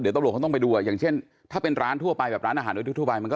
เดี๋ยวต้องไปดูอย่างเช่นถ้าเป็นร้านทั่วไปแบบร้านอาหารทั่วไป